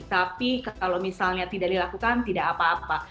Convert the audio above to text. tapi kalau misalnya tidak dilakukan tidak apa apa